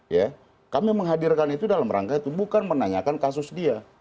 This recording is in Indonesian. ya kami menghadirkan itu dalam rangka itu bukan menanyakan kasus dia